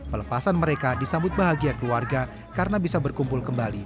pelepasan mereka disambut bahagia keluarga karena bisa berkumpul kembali